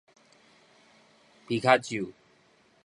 皮巧啾